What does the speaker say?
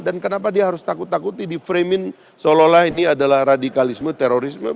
dan kenapa dia harus takut takuti di framing seolah olah ini adalah radikalisme terorisme